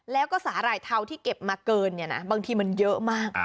แล้วก็สาหร่ายเทาที่เก็บมาเกินเนี่ยนะบางทีมันเยอะมาก